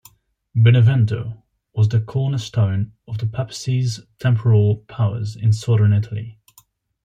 Benevento was the cornerstone of the Papacy's temporal powers in southern Italy.